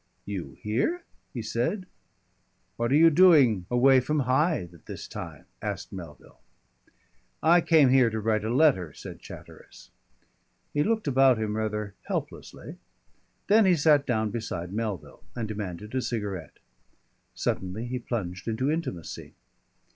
"You here?" he said. "What are you doing away from Hythe at this time?" asked Melville. "I came here to write a letter," said Chatteris. He looked about him rather helplessly. Then he sat down beside Melville and demanded a cigarette. Suddenly he plunged into intimacy.